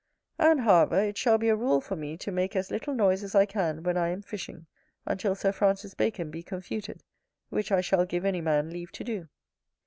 And, however, it shall be a rule for me to make as little noise as I can when I am fishing, until Sir Francis Bacon be confuted, which I shall give any man leave to do.